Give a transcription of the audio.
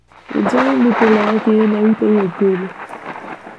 En zonas muy pobladas tienen hábitos nocturnos.